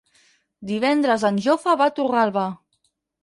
Divendres en Jofre va a Torralba.